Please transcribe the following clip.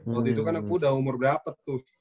waktu itu kan aku udah umur berapa tuh